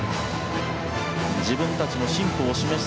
自分たちの進歩を示す